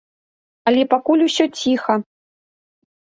Але пакуль усё ціха.